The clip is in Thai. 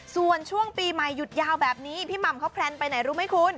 ส่วนช่วงปีใหม่หยุดยาวแบบนี้พี่หม่ำเขาแพลนไปไหนรู้ไหมคุณ